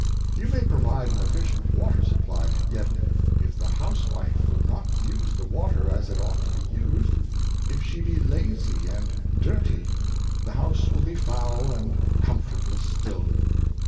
You may provide an efficient water supply, yet if the house wife will not use the water as it ought to be used, if she be lazy and dirty, the house will be foul and com fortless still.